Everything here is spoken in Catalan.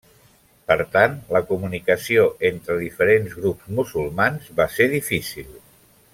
Per tant, la comunicació entre diferents grups musulmans va ser difícil.